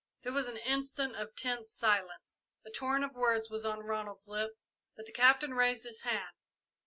There was an instant of tense silence. A torrent of words was on Ronald's lips, but the Captain raised his hand.